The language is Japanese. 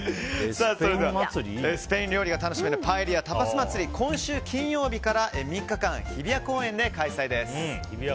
スペイン料理が楽しめるパエリア・タパス祭りは今週金曜日から３日間日比谷公園で開催です。